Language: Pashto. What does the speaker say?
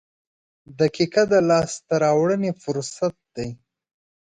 • دقیقه د لاسته راوړنې فرصت دی.